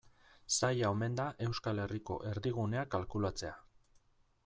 Zaila omen da Euskal Herriko erdigunea kalkulatzea.